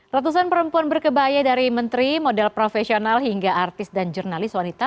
ratusan perempuan berkebaya dari menteri model profesional hingga artis dan jurnalis wanita